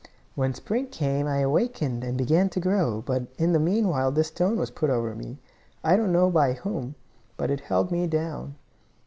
When spring came I awakened and began to grow, but in the meanwhile this stone was put over me. I don't know by whom. But it held me down.